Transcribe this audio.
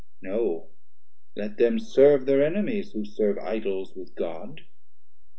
no, let them serve Thir enemies, who serve Idols with God.